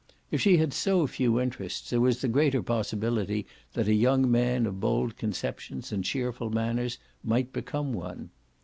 If she had so few interests there was the greater possibility that a young man of bold conceptions and cheerful manners might become one.